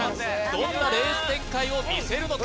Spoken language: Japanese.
どんなレース展開を見せるのか？